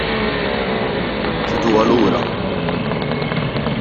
Ħuduha lura!